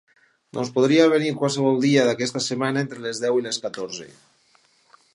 Doncs podria venir qualsevol dia d'aquesta setmana entre les deu i les catorze.